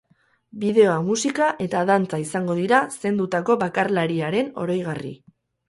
Bideoa, musika eta dantza izango dira zendutako bakarlariaren oroigarri.